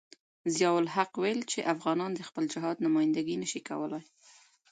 ضیاء الحق ویل چې افغانان د خپل جهاد نمايندګي نشي کولای.